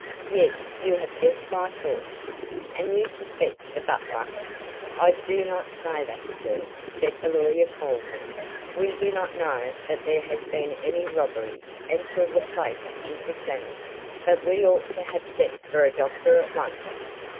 "Yes, you have guessed my thoughts." "And you suspect the butler?" "I do not say that, sir," said the lawyer coldly. "We do not know that there has been any robbery until the plate is examined, but we ought to have sent for a doctor at once."